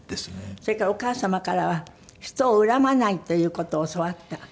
それからお母様からは人を恨まないという事を教わった。